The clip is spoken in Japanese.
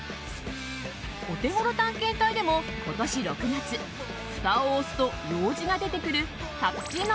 オテゴロ探検隊でも今年６月ふたを押すとようじが出てくるカプチーノ